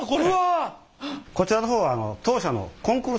こちらの方は当社のコンクール？